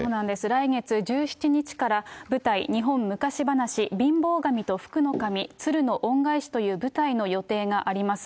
来月１７日から、舞台、日本昔ばなし、貧乏神と福の神・つるの恩返しという舞台の予定があります。